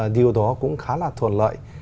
điều đó cũng khá là thuận lợi